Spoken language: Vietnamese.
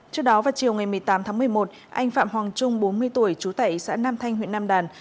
trước đó vào chiều ngày một mươi tám tháng một mươi một anh phạm hoàng trung bốn mươi tuổi trú tại xã nam thanh huyện nam đàn